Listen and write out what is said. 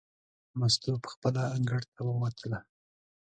مستو پخپله انګړ ته ووتله.